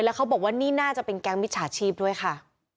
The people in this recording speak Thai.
แล้วเขาบอกว่านี่น่าจะเป็นแก๊งมิจฉาชีพด้วยค่ะ